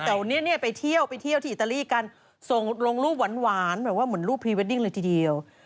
แต่วันนี้เนี่ยไปเที่ยวไปเที่ยวที่อิตาลีกันส่งลงรูปหวานแบบว่าเหมือนรูปพรีเวดดิ้งเลยทีเดียว